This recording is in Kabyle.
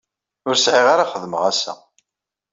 Ur sɛiɣ ara xedmeɣ assa.